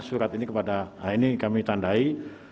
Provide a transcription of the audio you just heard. surat ini kami tandai